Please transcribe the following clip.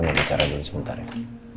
mau bicara dulu sebentar ya